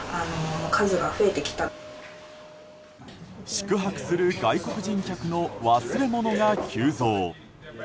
宿泊する外国人客の忘れ物が急増。